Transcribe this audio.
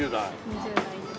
２０代です。